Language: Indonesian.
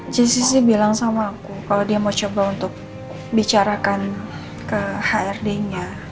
cici bilang sama aku kalau dia mau coba untuk bicarakan ke hrd nya